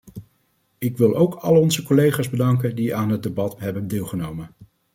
Ik wil ook al onze collega's bedanken die aan het debat hebben deelgenomen.